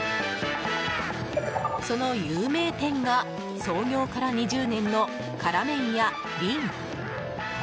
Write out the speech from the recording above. その有名店が創業から２０年の辛麺屋輪。